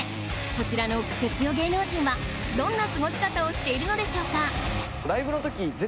こちらのクセ強芸能人はどんな過ごし方をしているのでしょうかはいはい。